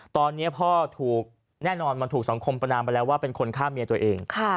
ตอนนี้พ่อถูกแน่นอนมันถูกสังคมประนามไปแล้วว่าเป็นคนฆ่าเมียตัวเอง